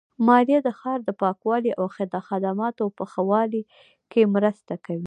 مالیه د ښار د پاکوالي او خدماتو په ښه والي کې مرسته کوي.